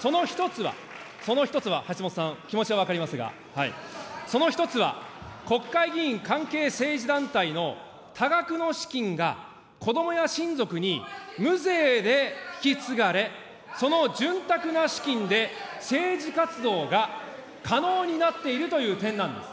その一つは、その一つは、はしもとさん、気持ちは分かりますが、その一つは、国会議員関係政治団体の多額の資金が子どもや親族に無税で引き継がれ、その潤沢な資金で政治活動が可能になっているという点なんです。